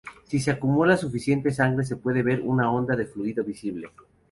Si se acumula suficiente sangre se puede ver una onda de fluido visible.